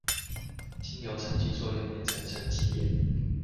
經由沈積作用變成沈積岩